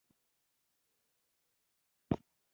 بزګر د خوارۍ سلطان دی